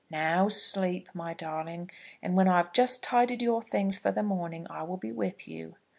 "Now sleep, my darling; and when I've just tidied your things for the morning, I will be with you."